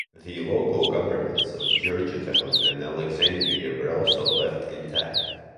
The local governments of Georgetown and Alexandria were also left intact.